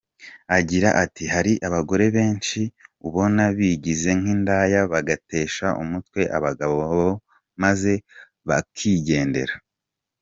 Agira ati “Hari abagore benshi ubona bigize nk’indaya bagatesha umutwe abagabo maze bakigendera.